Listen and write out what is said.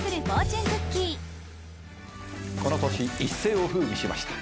この年一世を風靡しました。